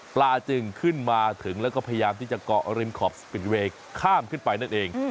จึงขึ้นมาถึงแล้วก็พยายามที่จะเกาะริมขอบสปิดเวย์ข้ามขึ้นไปนั่นเอง